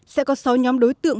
sẽ có sáu nhóm đối tượng